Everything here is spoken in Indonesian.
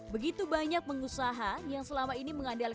begitu banyak pengusaha yang selama ini mengandalkan